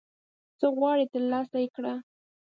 څه غواړي ترلاسه یې کړه